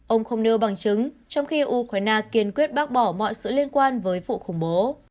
ông không nêu bằng chứng trong khi ukraine kiên quyết bác bỏ mọi sự liên quan với vụ khủng bố